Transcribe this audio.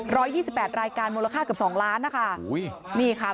ยี่สิบแปดรายการมูลค่าเกือบสองล้านนะคะอุ้ยนี่ค่ะ